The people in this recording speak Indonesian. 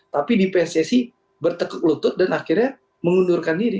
tapi di pssi bertekuk lutut dan akhirnya mengundurkan diri